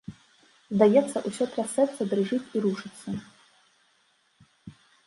Здаецца, усё трасецца, дрыжыць і рушыцца.